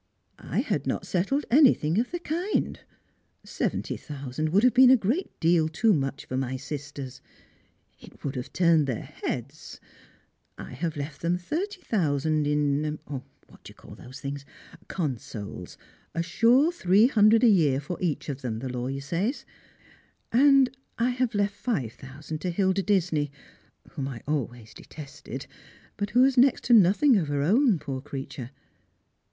" I had not settled anything of the kind. Seventy thousand would have been a great deal too much for my sisters ; it would have turned their heads. I have left them thirty thou sand in — what do you call those things ?— Consols ; a sure three hundred a year for each of them, the lawyer says; and 1 have left five thousand to Hilda Disney, whom I always detested, but who has next to nothing of her own, poor creature.